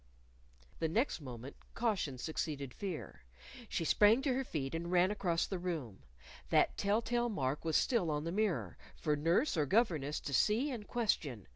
The next moment caution succeeded fear. She sprang to her feet and ran across the room. That tell tale mark was still on the mirror, for nurse or governess to see and question.